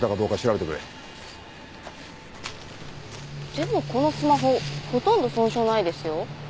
でもこのスマホほとんど損傷ないですよ。